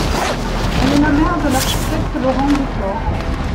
Elle est la mère de l'architecte Laurent Duport.